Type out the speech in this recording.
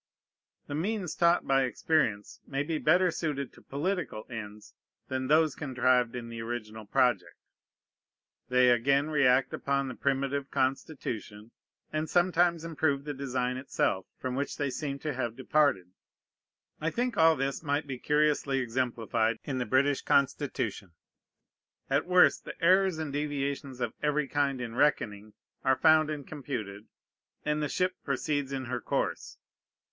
The means taught by experience may be better suited to political ends than those contrived in the original project. They again react upon the primitive constitution, and sometimes improve the design itself, from which they seem to have departed. I think all this might be curiously exemplified in the British Constitution. At worst, the errors and deviations of every kind in reckoning are found and computed, and the ship proceeds in her course.